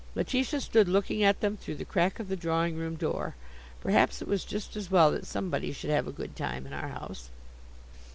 Letitia stood looking at them through the crack of the drawing room door. Perhaps it was just as well that somebody should have a good time in our house.